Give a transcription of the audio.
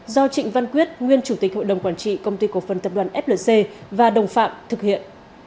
do trịnh văn quyết nguyên chủ tịch hội đồng quản trị công ty cổ phần tập đoàn flc và đồng phạm thực hiện